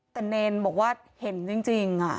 แต่เนรบอกว่าเห็นจริง